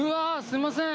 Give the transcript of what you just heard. すいません